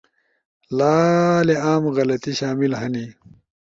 لالے عام غلطی شامل ہنی: